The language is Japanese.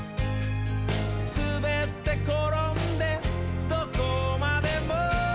「すべってころんでどこまでも」